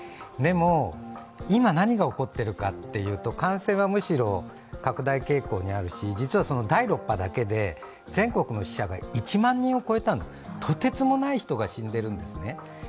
でも、今、何が起こってるかっていうと感染はむしろ拡大傾向にあるし、実は第６波だけで全国の死者が１万人を超えたんですとてつもない人が死んでるんですね。